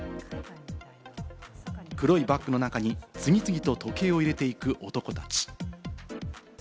黒いバッグの中に次々と時計を入れていく男たち。